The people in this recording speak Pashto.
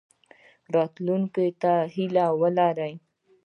راتلونکي ته هیله ولرئ